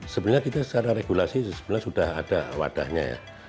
sebenarnya kita secara regulasi sudah ada wadahnya